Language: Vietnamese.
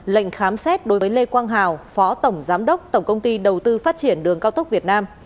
lệnh khám xét đối với lê quang hào phó tổng giám đốc tổng công ty đầu tư phát triển đường cao tốc việt nam